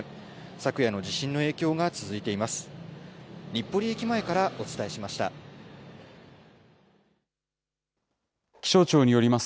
昨夜の地震の影響が続いています。